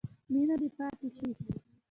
مینه دې پاتې شي.